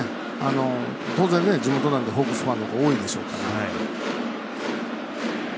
当然、地元なんでホークスファンのほうが多いんでしょうから。